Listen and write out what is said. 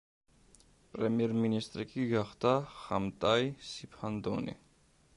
პრემიერ-მინისტრი კი გახდა ხამტაი სიფანდონი.